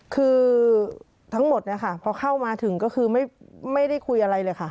คือทั้งหมดเนี่ยค่ะพอเข้ามาถึงก็คือไม่ได้คุยอะไรเลยค่ะ